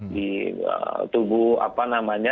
di tubuh apa namanya